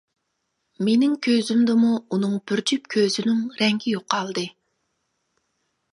مېنىڭ كۆزۈمدىمۇ ئۇنىڭ بىر جۈپ كۆزىنىڭ رەڭگى يوقالدى.